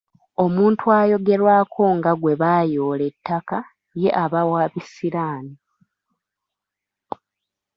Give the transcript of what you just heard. Omuntu ayogerwako nga gwe baayoola ettaka ye aba wa bisiraani.